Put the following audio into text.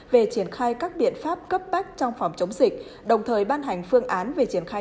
về triển khai các biện pháp cấp bách trong phòng chống dịch đồng thời ban hành phương án về triển khai